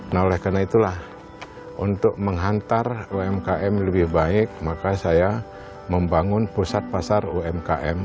nah oleh karena itulah untuk menghantar umkm lebih baik maka saya membangun pusat pasar umkm